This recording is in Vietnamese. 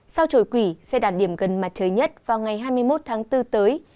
sao trổi quỷ sẽ đạt điểm gần mặt trời nhất vào ngày hai mươi một tháng bốn tới